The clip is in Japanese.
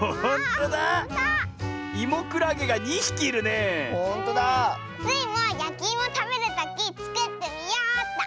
スイもやきいもたべるときつくってみようっと！